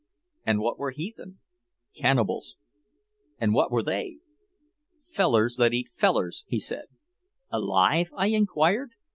And what were heathen? Cannibals. And what were they? "Fellers that eat fellers," he said. "Alive?" I inquired.